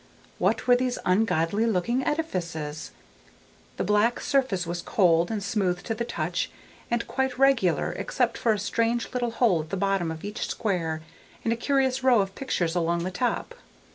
What were these ungodly looking edifices? The black surface was cold and smooth to the touch and quite regular except for a strange little hole at the bottom of each square and a curious row of pictures along the top.